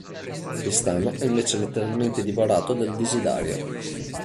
Tristano è invece letteralmente divorato dal desiderio.